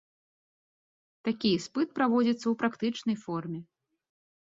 Такі іспыт праводзіцца ў практычнай форме.